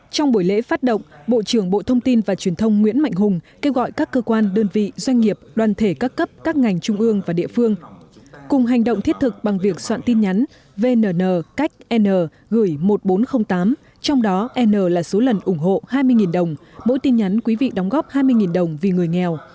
trong buổi lễ phát động bộ trưởng bộ thông tin và truyền thông nguyễn mạnh hùng kêu gọi các cơ quan đơn vị doanh nghiệp đoàn thể các cấp các ngành trung ương và địa phương cùng hành động thiết thực bằng việc soạn tin nhắn vnn cách n gửi một nghìn bốn trăm linh tám trong đó n là số lần ủng hộ hai mươi đồng mỗi tin nhắn quý vị đóng góp hai mươi đồng vì người nghèo